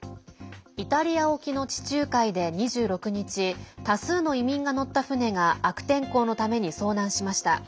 イタリア沖の地中海で２６日多数の移民が乗った船が悪天候のために遭難しました。